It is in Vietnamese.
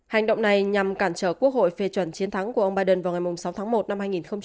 hành động này nhằm cản trở quốc hội phê chuẩn chiến thắng của ông biden vào ngày sáu tháng một năm hai nghìn hai mươi